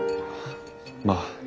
まあ。